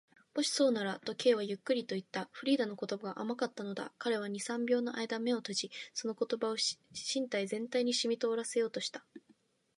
「もしそうなら」と、Ｋ はゆっくりといった。フリーダの言葉が甘かったのだ。彼は二、三秒のあいだ眼を閉じ、その言葉を身体全体にしみとおらせようとした。